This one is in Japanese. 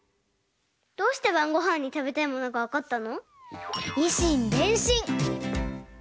どうしてばんごはんにたべたいものがわかったの？